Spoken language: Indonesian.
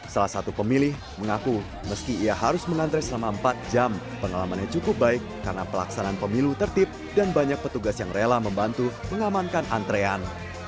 salah satu pemilih mengaku meski ia harus mengantre selama empat jam pengalamannya cukup baik karena pelaksanaan pemilu tertib dan banyak petugas yang rela membantu mengamankan antrean